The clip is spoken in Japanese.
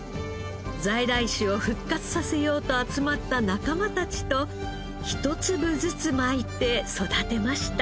在来種を復活させようと集まった仲間たちと１粒ずつまいて育てました。